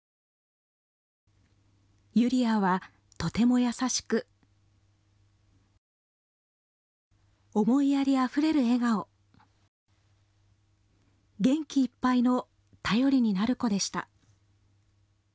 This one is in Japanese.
ゆり愛はとても優しく、思いやりあふれる笑顔、元気いっぱいの頼りになる子でした。